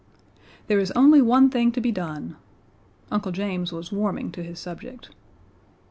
"There is only one thing to be done." Uncle James was warming to his subject.